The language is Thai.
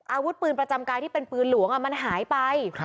อาวุธปืนประจำกายที่เป็นปืนหลวงมันหายไป